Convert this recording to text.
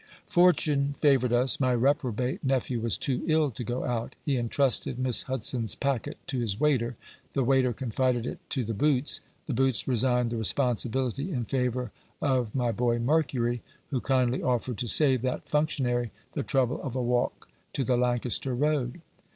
Fortune favoured us. My reprobate nephew was too ill to go out. He intrusted Miss Hudson's packet to his waiter, the waiter confided it to the Boots, the Boots resigned the responsibility in favour of my boy Mercury, who kindly offered to save that functionary the trouble of a walk to the Lancaster Road.